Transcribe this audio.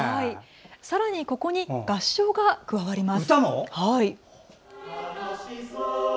さらに、ここに合唱が加わります。